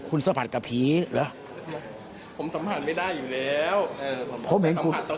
ป้าคุณสะพรรดิกับผีหรือ